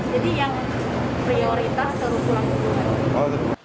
jadi yang prioritas terus ulang